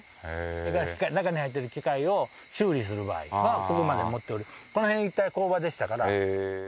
それから中に入ってる機械を修理する場合はここまで持って降りてここらへん一帯工場でしたから。